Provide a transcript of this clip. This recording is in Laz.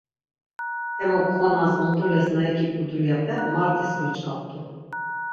Emuk qonas, ont̆ules na ikipt̆u dulyape mart̆is gyoç̌ǩapt̆u.